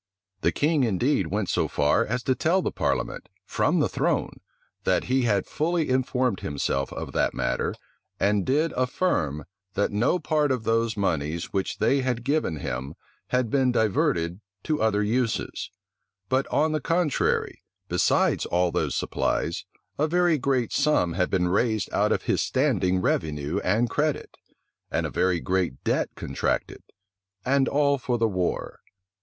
The king indeed went so far as to tell the parliament from the throne, "that he had fully informed himself of that matter, and did affirm, that no part of those moneys which they had given him had been diverted to other uses; but, on the contrary, besides all those supplies, a very great sum had been raised out of his standing revenue and credit, and a very great debt contracted; and all for the war."